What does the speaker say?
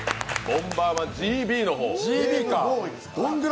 「ボンバーマンＧＢ」の方。